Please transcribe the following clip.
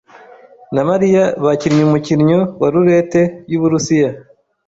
na Mariya bakinnye umukino wa roulette yu Burusiya.